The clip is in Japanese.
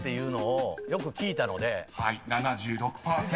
［７６％。